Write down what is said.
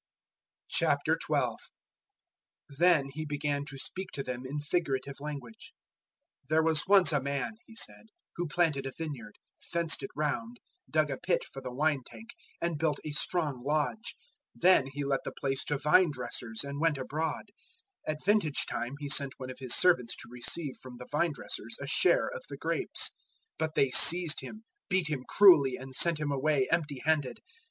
012:001 Then He began to speak to them in figurative language. "There was once a man," He said, "who planted a vineyard, fenced it round, dug a pit for the wine tank, and built a strong lodge. Then he let the place to vine dressers and went abroad. 012:002 At vintage time he sent one of his servants to receive from the vine dressers a share of the grapes. 012:003 But they seized him, beat him cruelly and sent him away empty handed.